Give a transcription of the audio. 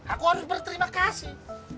aku harus berterima kasih